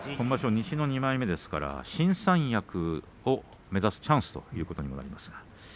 西の２枚目新三役を目指すチャンスということに、なります。